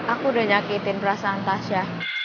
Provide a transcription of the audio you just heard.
aku udah nyakitin perasaan tasya